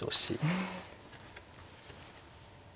うん。